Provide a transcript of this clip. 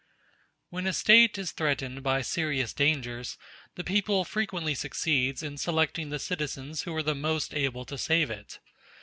When a State is threatened by serious dangers, the people frequently succeeds in selecting the citizens who are the most able to save it.